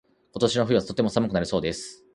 今年の冬はとても寒くなりそうです。